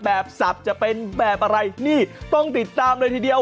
สับจะเป็นแบบอะไรนี่ต้องติดตามเลยทีเดียว